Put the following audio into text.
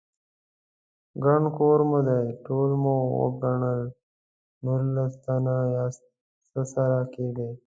_ګڼ کور مو دی، ټول مې وګڼل، نولس تنه ياست، څه سره کېږئ؟